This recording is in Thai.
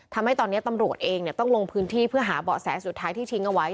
ทำให้ตอนนี้ตำรวจเองต้องลงพื้นที่เพื่อหาเบาะแสสุดท้ายที่ทิ้งเอาไว้